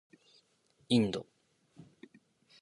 インド